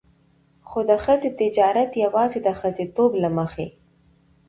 خو د ښځې تجارت يواځې د ښځېتوب له مخې.